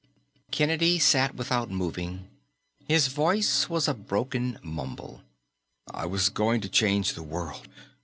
Kennedy sat without moving. His voice was a broken mumble. "I was going to change the world.